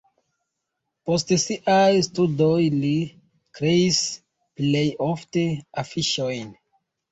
Post siaj studoj li kreis plej ofte afiŝojn.